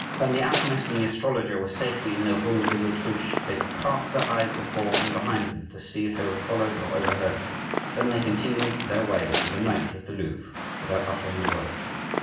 When the alchemist and the astrologer were safely in the rue de l'Autruche, they cast their eyes before and behind them, to see if they were followed or overheard; then they continued their way to the moat of the Louvre without uttering a word.